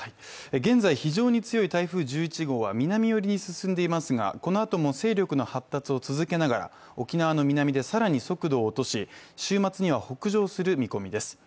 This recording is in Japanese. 現在、非常に強い台風１１号は南寄りに進んでいますがこのあとも勢力の発達を続けながら沖縄の南で更に速度を落とし、週末には北上する見込みです。